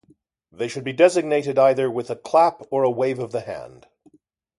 They should be designated either with a clap or a wave of the hand.